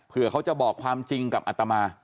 เพื่อเขาจะบอกความจริงกับอัตมา